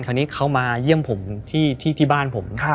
คราวนี้เขามาเยี่ยมผมที่บ้านผม